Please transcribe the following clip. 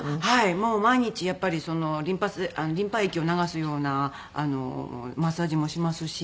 もう毎日やっぱりリンパ液を流すようなマッサージもしますし。